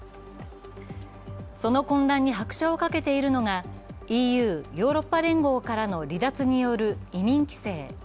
その混乱に拍車をかけているのがＥＵ＝ヨーロッパ連合からの離脱による移民規制。